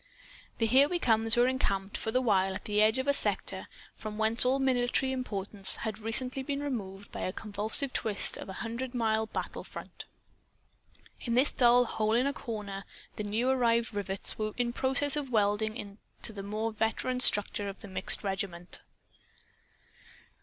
The "Here We Comes" were encamped, for the while, at the edge of a sector from whence all military importance had recently been removed by a convulsive twist of a hundred mile battle front. In this dull hole in a corner the new arrived rivets were in process of welding into the more veteran structure of the mixed regiment.